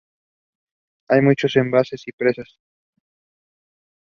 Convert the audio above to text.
Hay muchos embalses y presas.